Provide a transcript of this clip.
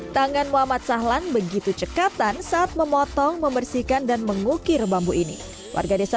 tangan muhammad sahlan begitu cekatan saat memotong membersihkan dan mengukir bambu ini warga desa